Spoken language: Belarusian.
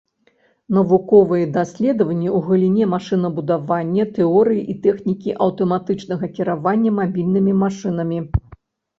Навуковыя даследаванні ў галіне машынабудавання, тэорыі і тэхнікі аўтаматычнага кіравання мабільнымі машынамі.